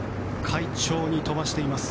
快調に飛ばしています。